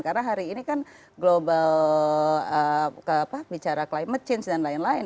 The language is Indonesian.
karena hari ini kan global bicara climate change dan lain lain